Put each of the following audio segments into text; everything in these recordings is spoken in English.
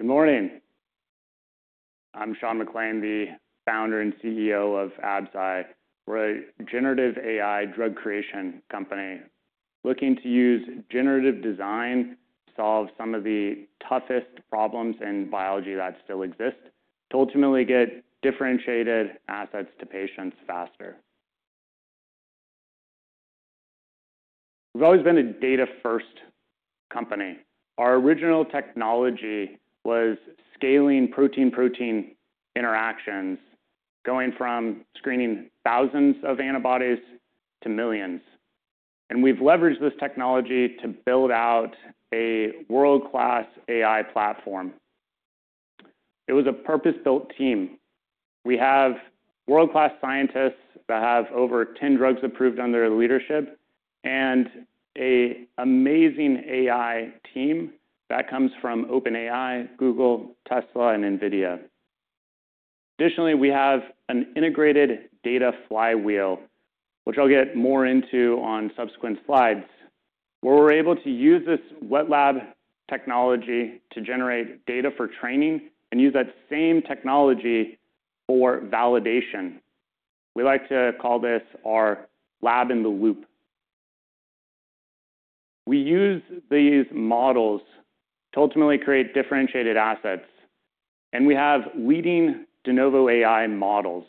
Good morning. I'm Sean McClain, the Founder and CEO of Absci. We're a generative AI drug creation company looking to use generative design to solve some of the toughest problems in biology that still exist, to ultimately get differentiated assets to patients faster. We've always been a data-first company. Our original technology was scaling protein-protein interactions, going from screening thousands of antibodies to millions. We've leveraged this technology to build out a world-class AI platform. It was a purpose-built team. We have world-class scientists that have over 10 drugs approved under their leadership and an amazing AI team that comes from OpenAI, Google, Tesla, and NVIDIA. Additionally, we have an integrated data flywheel, which I'll get more into on subsequent slides, where we're able to use this wet lab technology to generate data for training and use that same technology for validation. We like to call this our lab in the loop. We use these models to ultimately create differentiated assets. We have leading de novo AI models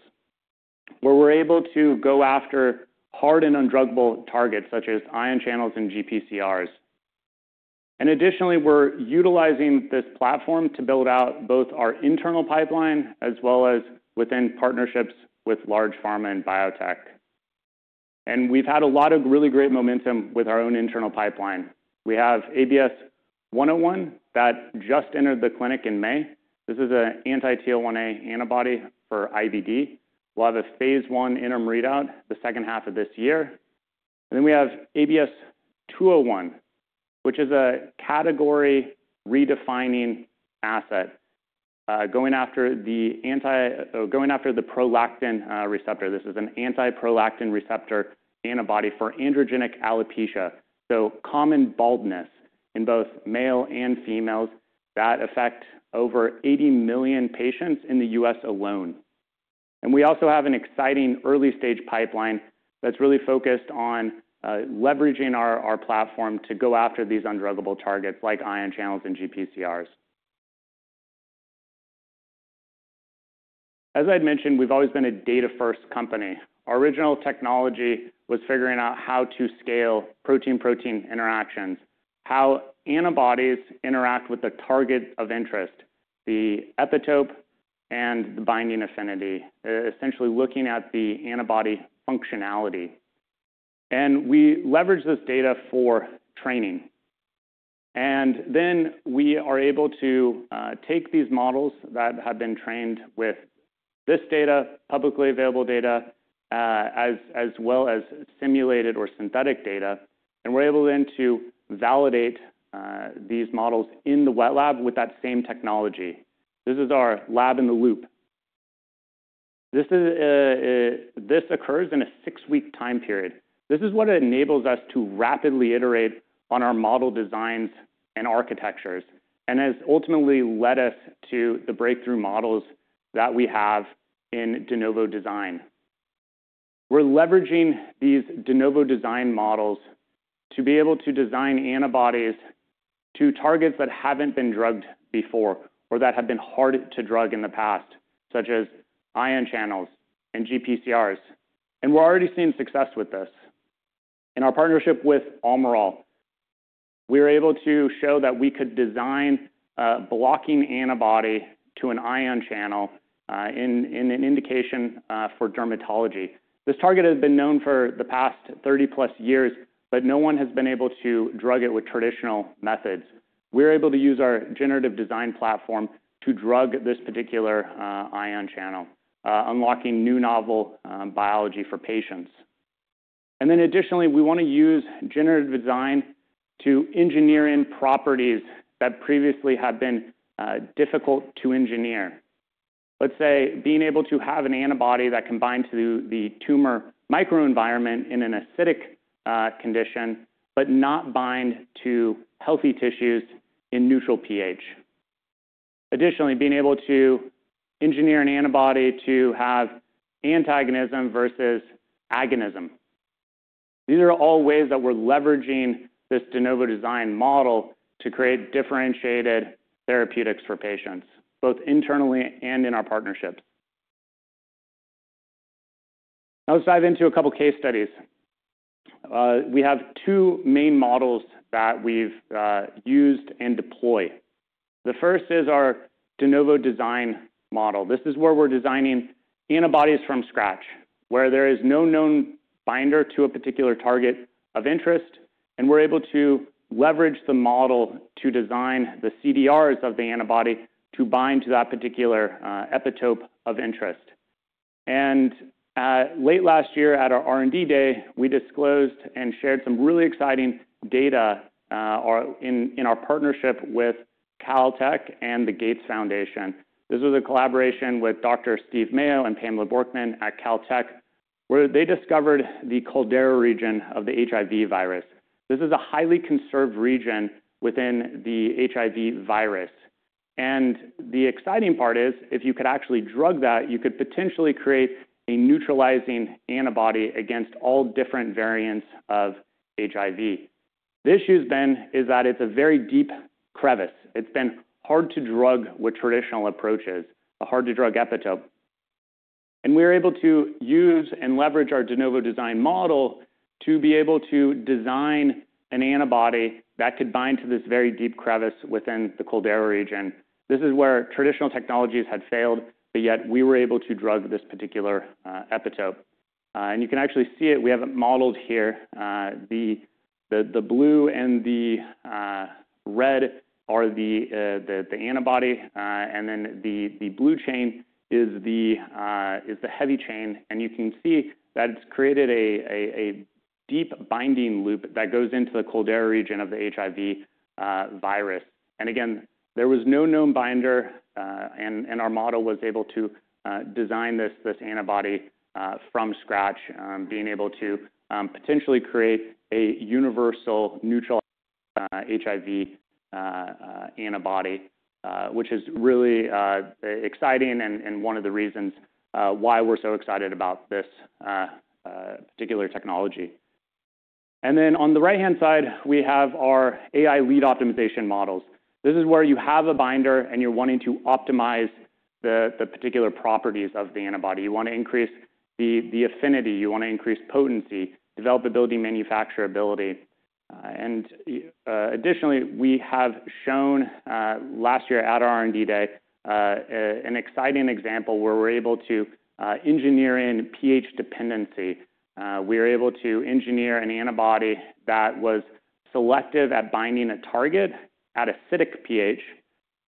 where we're able to go after hard and undruggable targets, such as ion channels and GPCRs. Additionally, we're utilizing this platform to build out both our internal pipeline as well as within partnerships with large pharma and biotech. We've had a lot of really great momentum with our own internal pipeline. We have ABS-101 that just entered the clinic in May. This is an anti-TL1A antibody for IBD. We'll have a phase I interim readout the second half of this year. We have ABS-201, which is a category-redefining asset going after the prolactin receptor. This is an anti-prolactin receptor antibody for androgenic alopecia, so common baldness in both males and females that affects over 80 million patients in the U.S. alone. We also have an exciting early-stage pipeline that's really focused on leveraging our platform to go after these undruggable targets like ion channels and GPCRs. As I had mentioned, we've always been a data-first company. Our original technology was figuring out how to scale protein-protein interactions, how antibodies interact with the target of interest, the epitope, and the binding affinity, essentially looking at the antibody functionality. We leverage this data for training. We are able to take these models that have been trained with this data, publicly available data, as well as simulated or synthetic data. We're able then to validate these models in the wet lab with that same technology. This is our lab in the loop. This occurs in a six-week time period. This is what enables us to rapidly iterate on our model designs and architectures and has ultimately led us to the breakthrough models that we have in de novo design. We are leveraging these de novo design models to be able to design antibodies to targets that have not been drugged before or that have been hard to drug in the past, such as ion channels and GPCRs. We are already seeing success with this. In our partnership with Amaro, we were able to show that we could design a blocking antibody to an ion channel in an indication for dermatology. This target has been known for the past 30-plus years, but no one has been able to drug it with traditional methods. We are able to use our generative design platform to drug this particular ion channel, unlocking new novel biology for patients. Additionally, we want to use generative design to engineer in properties that previously have been difficult to engineer. Let's say being able to have an antibody that can bind to the tumor microenvironment in an acidic condition but not bind to healthy tissues in neutral pH. Additionally, being able to engineer an antibody to have antagonism versus agonism. These are all ways that we're leveraging this de novo design model to create differentiated therapeutics for patients, both internally and in our partnerships. Now let's dive into a couple of case studies. We have two main models that we've used and deploy. The first is our de novo design model. This is where we're designing antibodies from scratch, where there is no known binder to a particular target of interest. We're able to leverage the model to design the CDRs of the antibody to bind to that particular epitope of interest. Late last year at our R&D day, we disclosed and shared some really exciting data in our partnership with Caltech and the Gates Foundation. This was a collaboration with Dr. Steve Mayo and Pamela Bjorkman at Caltech, where they discovered the Caldera region of the HIV virus. This is a highly conserved region within the HIV virus. The exciting part is, if you could actually drug that, you could potentially create a neutralizing antibody against all different variants of HIV. The issue has been that it's a very deep crevice. It's been hard to drug with traditional approaches, a hard-to-drug epitope. We were able to use and leverage our de novo design model to be able to design an antibody that could bind to this very deep crevice within the Caldera region. This is where traditional technologies had failed, yet we were able to drug this particular epitope. You can actually see it. We have it modeled here. The blue and the red are the antibody, and then the blue chain is the heavy chain. You can see that it has created a deep binding loop that goes into the Caldera region of the HIV virus. There was no known binder, and our model was able to design this antibody from scratch, being able to potentially create a universal neutral HIV antibody, which is really exciting and one of the reasons why we are so excited about this particular technology. On the right-hand side, we have our AI lead optimization models. This is where you have a binder, and you're wanting to optimize the particular properties of the antibody. You want to increase the affinity. You want to increase potency, developability, manufacturability. Additionally, we have shown last year at our R&D day an exciting example where we're able to engineer in pH dependency. We were able to engineer an antibody that was selective at binding a target at acidic pH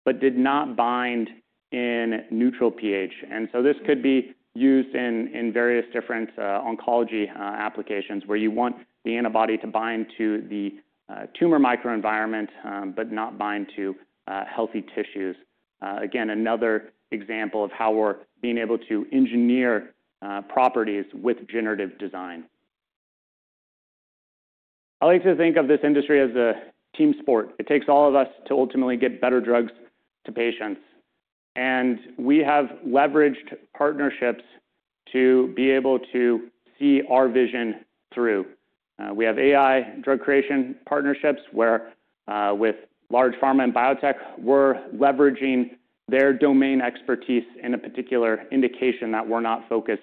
but did not bind in neutral pH. This could be used in various different oncology applications where you want the antibody to bind to the tumor microenvironment but not bind to healthy tissues. Again, another example of how we're being able to engineer properties with generative design. I like to think of this industry as a team sport. It takes all of us to ultimately get better drugs to patients. We have leveraged partnerships to be able to see our vision through. We have AI drug creation partnerships where, with large pharma and biotech, we're leveraging their domain expertise in a particular indication that we're not focused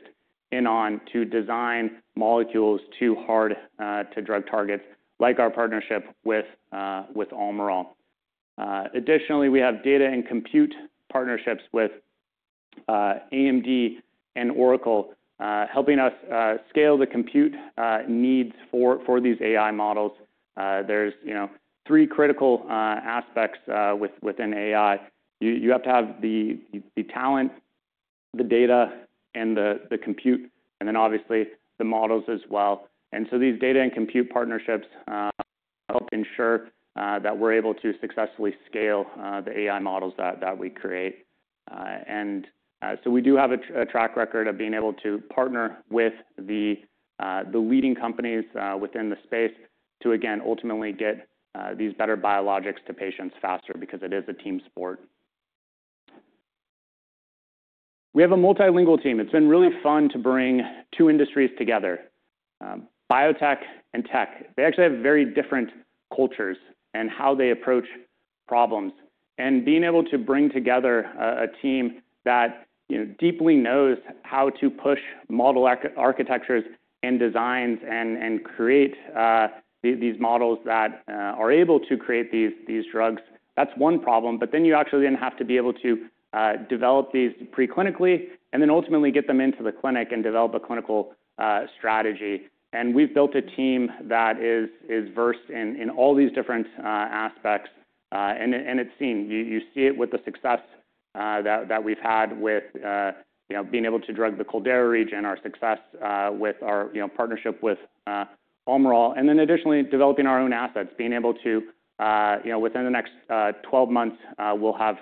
in on to design molecules to hard-to-drug targets, like our partnership with Amaro. Additionally, we have data and compute partnerships with AMD and Oracle, helping us scale the compute needs for these AI models. There are three critical aspects within AI. You have to have the talent, the data, and the compute, and then obviously the models as well. These data and compute partnerships help ensure that we're able to successfully scale the AI models that we create. We do have a track record of being able to partner with the leading companies within the space to, again, ultimately get these better biologics to patients faster because it is a team sport. We have a multilingual team. It's been really fun to bring two industries together, biotech and tech. They actually have very different cultures and how they approach problems. Being able to bring together a team that deeply knows how to push model architectures and designs and create these models that are able to create these drugs, that's one problem. You actually then have to be able to develop these preclinically and then ultimately get them into the clinic and develop a clinical strategy. We've built a team that is versed in all these different aspects. It's seen. You see it with the success that we've had with being able to drug the Caldera region, our success with our partnership with Amaro, and then additionally developing our own assets, being able to, within the next 12 months, we'll have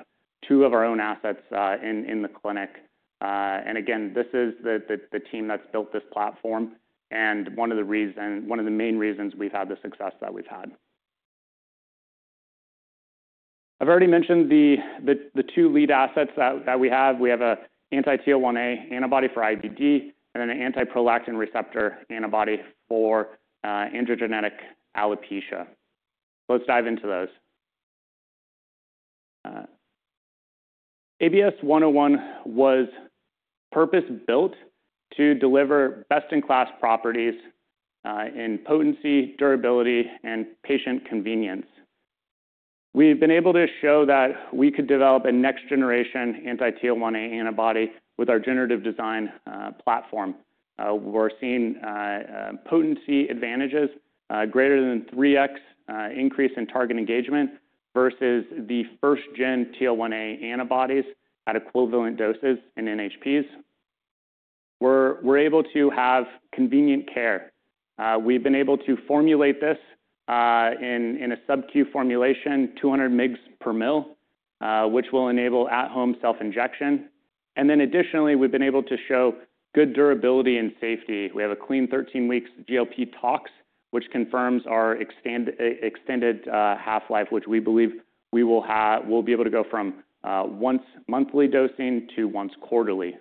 two of our own assets in the clinic. This is the team that's built this platform and one of the reasons, one of the main reasons we've had the success that we've had. I've already mentioned the two lead assets that we have. We have an anti-TL1A antibody for IBD and an anti-prolactin receptor antibody for androgenic alopecia. Let's dive into those. ABS-101 was purpose-built to deliver best-in-class properties in potency, durability, and patient convenience. We've been able to show that we could develop a next-generation anti-TL1A antibody with our generative design platform. We're seeing potency advantages, greater than 3x increase in target engagement versus the first-gen TL1A antibodies at equivalent doses in NHPs. We're able to have convenient care. We've been able to formulate this in a sub-Q formulation, 200 mg per ml, which will enable at-home self-injection. Additionally, we've been able to show good durability and safety. We have a clean 13-week GLP tox, which confirms our extended half-life, which we believe we will be able to go from once monthly dosing to once quarterly.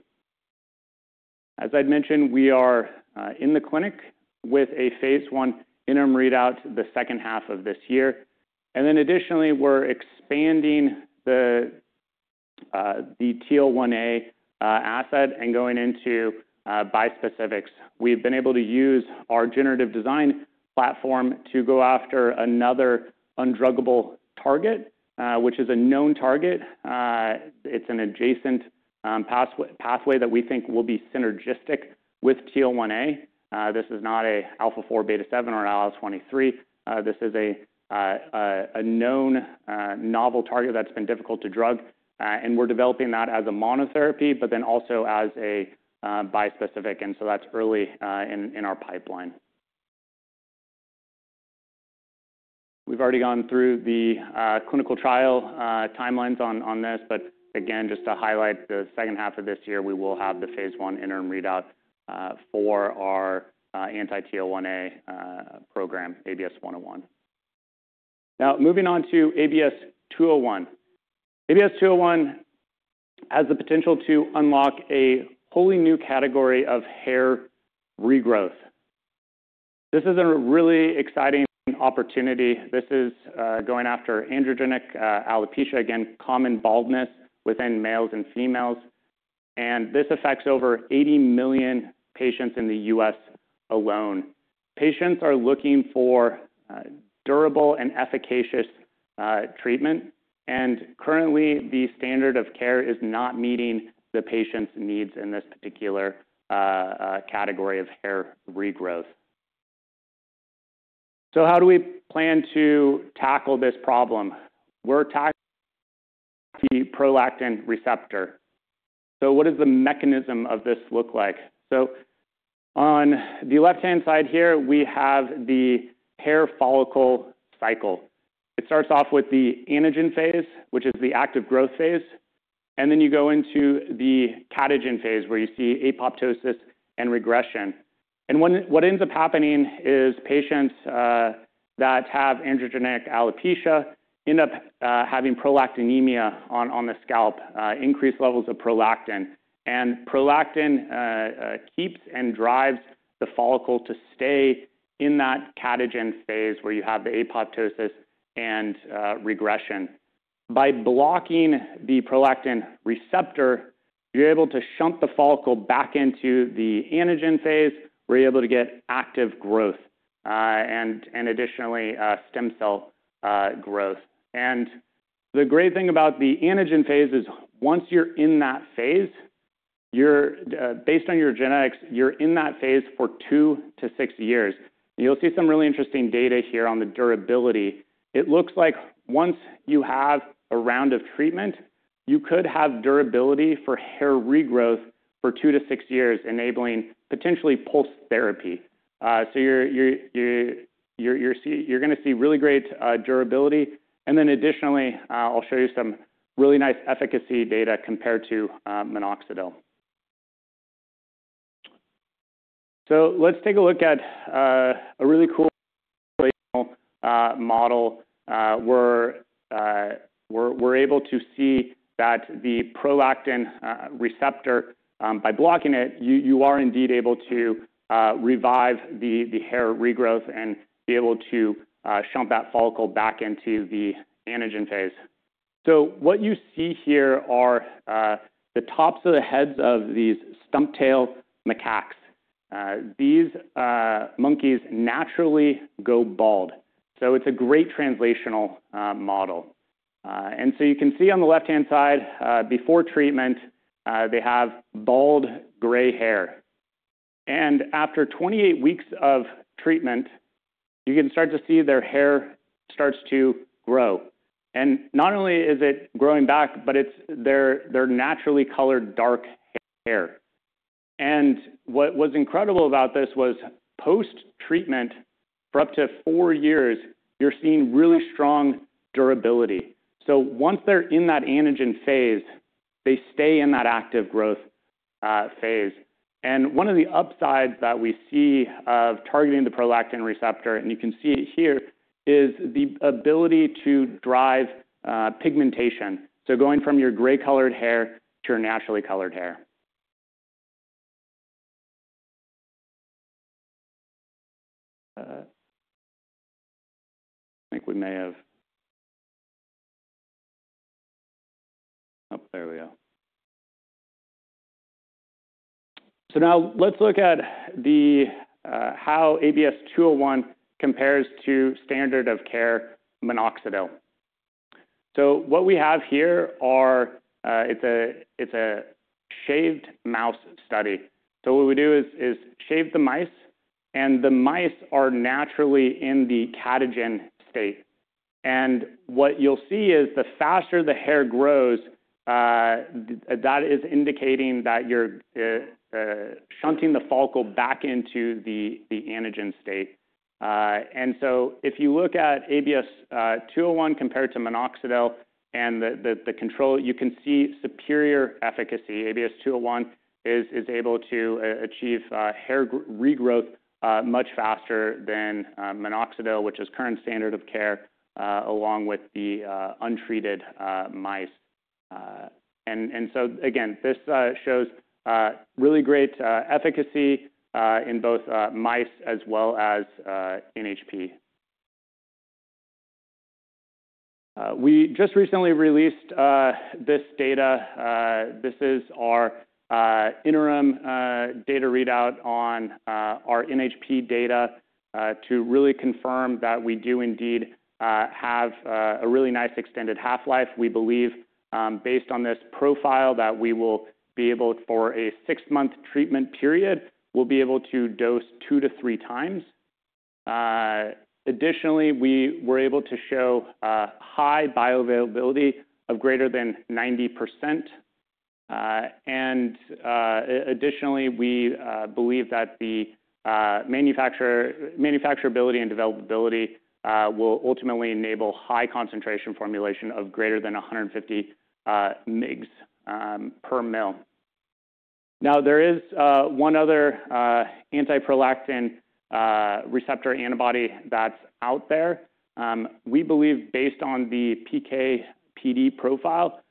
As I'd mentioned, we are in the clinic with a phase I interim readout the second half of this year. Additionally, we're expanding the TL1A asset and going into bispecifics. We've been able to use our generative design platform to go after another undruggable target, which is a known target. It's an adjacent pathway that we think will be synergistic with TL1A. This is not an alpha-4, beta-7, or an alpha-23. This is a known novel target that's been difficult to drug. We are developing that as a monotherapy, but then also as a bispecific. That is early in our pipeline. We have already gone through the clinical trial timelines on this. Again, just to highlight, the second half of this year, we will have the phase I interim readout for our anti-TL1A program, ABS-101. Now moving on to ABS-201. ABS-201 has the potential to unlock a wholly new category of hair regrowth. This is a really exciting opportunity. This is going after androgenic alopecia, again, common baldness within males and females. This affects over 80 million patients in the U.S. alone. Patients are looking for durable and efficacious treatment. Currently, the standard of care is not meeting the patient's needs in this particular category of hair regrowth. How do we plan to tackle this problem? We're tackling the prolactin receptor. What does the mechanism of this look like? On the left-hand side here, we have the hair follicle cycle. It starts off with the anagen phase, which is the active growth phase. Then you go into the catagen phase where you see apoptosis and regression. What ends up happening is patients that have androgenic alopecia end up having prolactinemia on the scalp, increased levels of prolactin. Prolactin keeps and drives the follicle to stay in that catagen phase where you have the apoptosis and regression. By blocking the prolactin receptor, you're able to shunt the follicle back into the anagen phase where you're able to get active growth and additionally stem cell growth. The great thing about the anagen phase is once you're in that phase, based on your genetics, you're in that phase for two to six years. You'll see some really interesting data here on the durability. It looks like once you have a round of treatment, you could have durability for hair regrowth for two to six years, enabling potentially pulse therapy. You're going to see really great durability. Additionally, I'll show you some really nice efficacy data compared to minoxidil. Let's take a look at a really cool model where we're able to see that the prolactin receptor, by blocking it, you are indeed able to revive the hair regrowth and be able to shunt that follicle back into the anagen phase. What you see here are the tops of the heads of these stump-tail macaques. These monkeys naturally go bald. It's a great translational model. You can see on the left-hand side, before treatment, they have bald gray hair. After 28 weeks of treatment, you can start to see their hair starts to grow. Not only is it growing back, but they're naturally colored dark hair. What was incredible about this was post-treatment, for up to four years, you're seeing really strong durability. Once they're in that anagen phase, they stay in that active growth phase. One of the upsides that we see of targeting the prolactin receptor, and you can see it here, is the ability to drive pigmentation. Going from your gray-colored hair to your naturally colored hair. I think we may have—oh, there we go. Now let's look at how ABS-201 compares to standard of care minoxidil. What we have here is a shaved mouse study. What we do is shave the mice. The mice are naturally in the catagen state. What you'll see is the faster the hair grows, that is indicating that you're shunting the follicle back into the anagen state. If you look at ABS-201 compared to minoxidil and the control, you can see superior efficacy. ABS-201 is able to achieve hair regrowth much faster than minoxidil, which is current standard of care, along with the untreated mice. This shows really great efficacy in both mice as well as NHP. We just recently released this data. This is our interim data readout on our NHP data to really confirm that we do indeed have a really nice extended half-life. We believe, based on this profile, that we will be able for a six-month treatment period, we'll be able to dose two to three times. Additionally, we were able to show high bioavailability of greater than 90%. Additionally, we believe that the manufacturability and developability will ultimately enable high concentration formulation of greater than 150 mg per ml. There is one other anti-prolactin receptor antibody that's out there. We believe, based on the PKPD profile,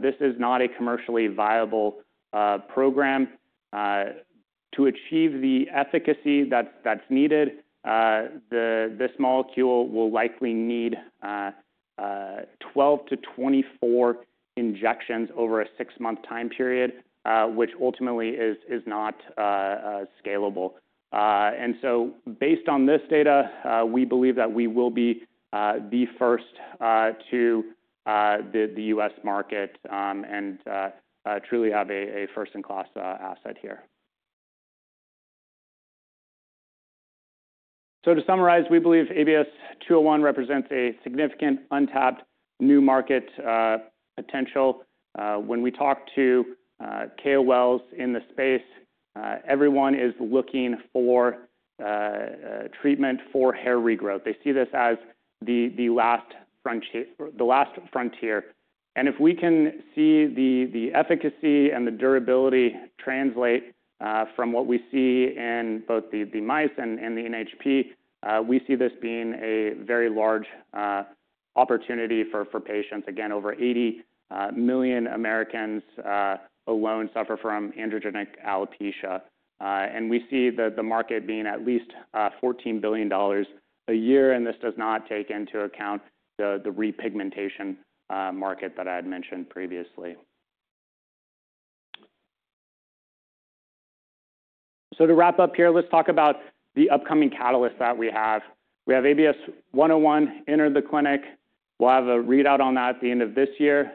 this is not a commercially viable program. To achieve the efficacy that's needed, this molecule will likely need 12-24 injections over a six-month time period, which ultimately is not scalable. Based on this data, we believe that we will be the first to the U.S. market and truly have a first-in-class asset here. To summarize, we believe ABS-201 represents a significant untapped new market potential. When we talk to KOLs in the space, everyone is looking for treatment for hair regrowth. They see this as the last frontier. If we can see the efficacy and the durability translate from what we see in both the mice and the NHP, we see this being a very large opportunity for patients. Again, over 80 million Americans alone suffer from androgenic alopecia. We see the market being at least $14 billion a year. This does not take into account the repigmentation market that I had mentioned previously. To wrap up here, let's talk about the upcoming catalysts that we have. We have ABS-101 enter the clinic. We'll have a readout on that at the end of this year.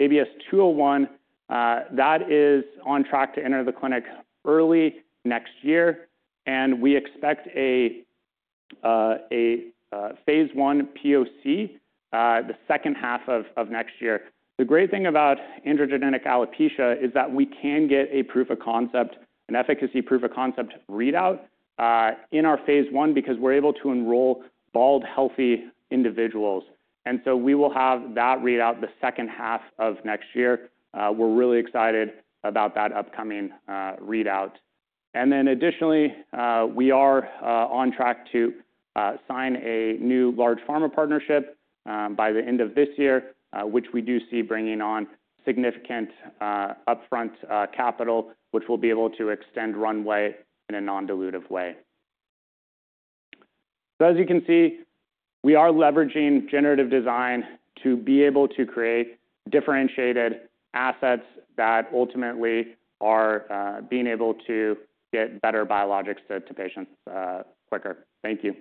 ABS-201, that is on track to enter the clinic early next year. We expect a phase I POC the second half of next year. The great thing about androgenic alopecia is that we can get a proof of concept, an efficacy proof of concept readout in our phase I because we're able to enroll bald, healthy individuals. We will have that readout the second half of next year. We're really excited about that upcoming readout. Additionally, we are on track to sign a new large pharma partnership by the end of this year, which we do see bringing on significant upfront capital, which will be able to extend runway in a non-dilutive way. As you can see, we are leveraging generative design to be able to create differentiated assets that ultimately are being able to get better biologics to patients quicker. Thank you.